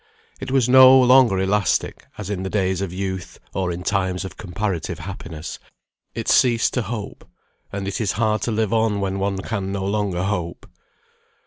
It was no longer elastic, as in the days of youth, or in times of comparative happiness; it ceased to hope. And it is hard to live on when one can no longer hope.